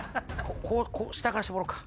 こう下から絞ろうか。